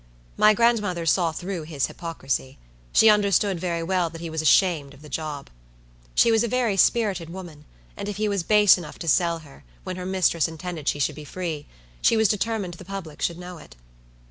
My grandmother saw through his hypocrisy; she understood very well that he was ashamed of the job. She was a very spirited woman, and if he was base enough to sell her, when her mistress intended she should be free, she was determined the public should know it.